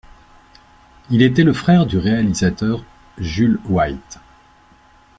Il était le frère du réalisateur Jules White.